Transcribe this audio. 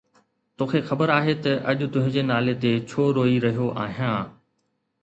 توکي خبر آهي ته اڄ تنهنجي نالي تي ڇو روئي رهيو آهيان؟